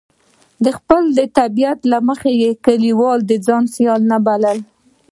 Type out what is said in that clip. د خپل طبیعت له مخې یې کلیوال د ځان سیال نه باله.